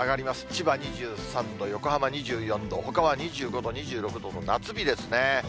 千葉２３度、横浜２４度、ほかは２５度、２６度の夏日ですね。